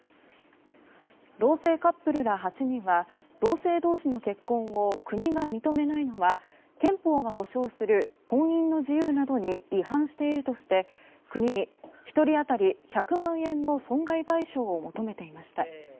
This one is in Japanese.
同性カップルら８人は同性同士の結婚を国が認めないのは憲法が保証する婚姻の自由などに違反しているなどとして国に１人当たり１００万円の損害賠償を求めていました。